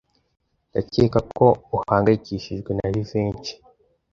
Ndakeka ko uhangayikishijwe na Jivency.